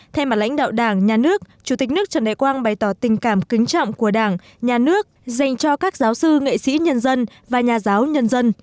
thay mặt lãnh đạo đảng nhà nước chủ tịch nước trần đại quang bày tỏ tình cảm kính trọng của đảng nhà nước dành cho các giáo sư nghệ sĩ nhân dân và nhà giáo nhân dân